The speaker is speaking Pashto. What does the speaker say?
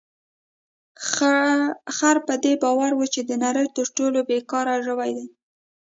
خر په دې باور و چې د نړۍ تر ټولو بې کاره ژوی دی.